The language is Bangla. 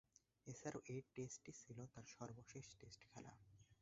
এছাড়াও, এ টেস্টটি ছিল তার সর্বশেষ টেস্ট খেলা।